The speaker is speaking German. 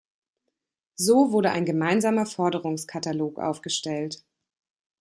So wurde ein gemeinsamer Forderungskatalog aufgestellt.